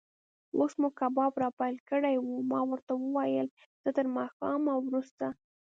اوس مو کباب را پیل کړی و، ما ورته وویل: زه تر ماښام وروسته.